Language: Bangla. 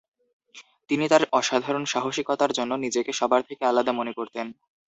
তিনি তার অসাধারন সাহসিকতার জন্য নিজেকে সবার থেকে আলাদা মনে করতেন।